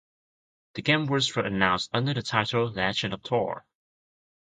The game was first announced under the title "Legend of Thor".